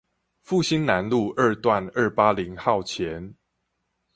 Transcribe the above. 復興南路二段二八〇號前